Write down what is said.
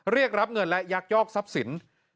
เรียกรับเงินและยักยอกทรัพย์สิน